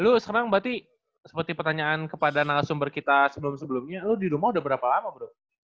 lu sekarang berarti seperti pertanyaan kepada narasumber kita sebelum sebelumnya lo di rumah udah berapa lama bro